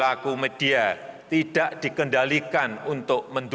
peran media digital yang saat ini sangat besar harus diperlukan untuk memperbaiki